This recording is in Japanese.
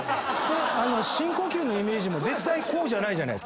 深呼吸のイメージも絶対こうじゃないじゃないですか。